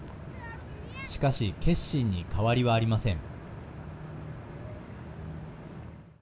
しかし決心に変わりはありません。